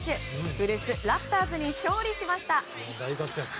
古巣、ラプターズに勝利しました。